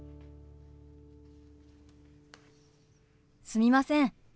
すみません。